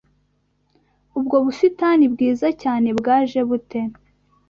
Ubwo busitani bwiza cyane bwaje bute?